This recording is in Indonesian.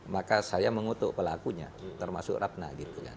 maka saya mengutuk pelakunya termasuk ratna gitu kan